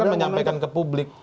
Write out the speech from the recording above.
menyampaikan ke publik